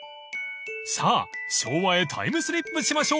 ［さぁ昭和へタイムスリップしましょう］